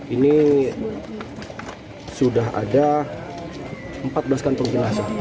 ini sudah ada empat belas kantor